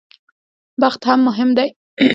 بخت هم مهم دی.